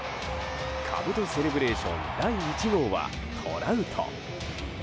兜セレブレーション第１号はトラウト。